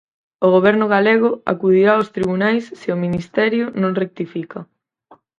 O Goberno galego acudirá aos tribunais se o Ministerio non rectifica.